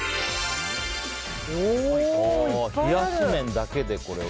冷やし麺だけで、これは。